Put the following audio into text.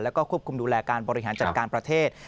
แล้วก็ควบคุมดูแลการบริหารจัดการประเทศ